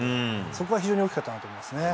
そこは非常に大きかったなと思いますね。